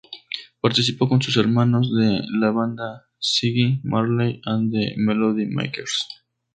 Participó con sus hermanos de la banda Ziggy Marley and the Melody Makers.